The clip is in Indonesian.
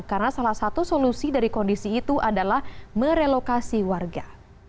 karena salah satu solusi dari kondisi itu adalah merelokasi warga